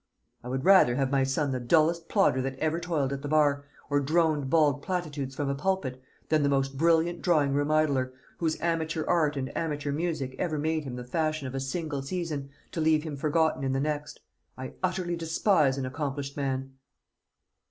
"I would rather have my son the dullest plodder that ever toiled at the bar, or droned bald platitudes from a pulpit, than the most brilliant drawing room idler, whose amateur art and amateur music ever made him the fashion of a single season, to leave him forgotten in the next. I utterly despise an accomplished man."